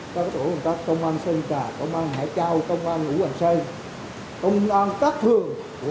các thủ công tác công an sơn trà công an hải châu công an hữu hoàng sơn công an các thường của